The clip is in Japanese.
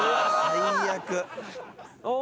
最悪。